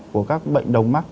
của các bệnh đồng mắc